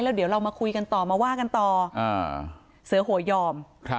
เดี๋ยวเรามาคุยกันต่อมาว่ากันต่อเสือโหยยอม